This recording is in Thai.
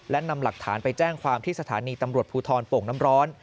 และนำหลักฐานไปแจ้งความที่สถานีตำรวจภูทรโป่งน้ำร้อน